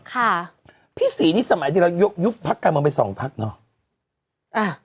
ค่ะพี่ศรีนี่สมัยที่เรายกยุบพักการเมืองไปสองพักเนอะอ่า